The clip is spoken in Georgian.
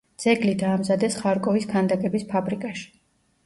ძეგლი დაამზადეს ხარკოვის ქანდაკების ფაბრიკაში.